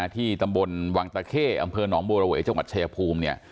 ที่ตำบลวังตะเข้อำเภอหนองบัวระเวจังหวัดชายภูมิเนี่ย